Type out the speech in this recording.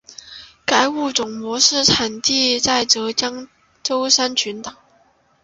该物种的模式产地在浙江舟山群岛。